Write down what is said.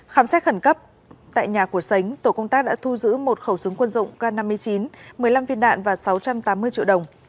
khám xét khẩn cấp tại nhà của sánh tổ công tác đã thu giữ một khẩu súng quân dụng k năm mươi chín một mươi năm viên đạn và sáu trăm tám mươi triệu đồng